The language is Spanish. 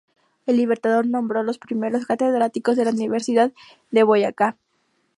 El Libertador nombró los primeros catedráticos de la Universidad de Boyacá.